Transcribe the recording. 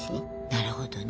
なるほどね。